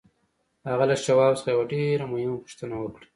هغه له شواب څخه یوه ډېره مهمه پوښتنه وکړه